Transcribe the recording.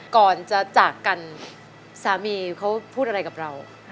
ก่อนจะจากกันสามีเขาพูดอะไรกับเรา